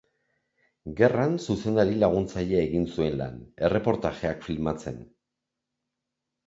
Gerran zuzendari laguntzaile egin zuen lan, erreportajeak filmatzen.